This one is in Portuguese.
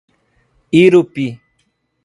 Irupi